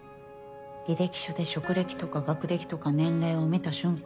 履歴書で職歴とか学歴とか年齢を見た瞬間